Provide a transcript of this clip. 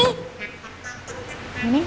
neneng kenapa gak balik ke kamarnya neneng